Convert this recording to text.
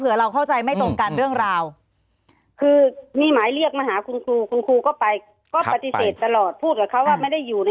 แต่เขาก็บอกว่าเขามีพยานอยากจะขอคุยกับพยาน